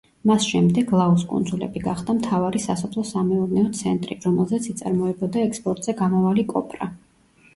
მას შემდეგ ლაუს კუნძულები გახდა მთავარი სასოფლო სამეურნეო ცენტრი, რომელზეც იწარმოებოდა ექსპორტზე გამავალი კოპრა.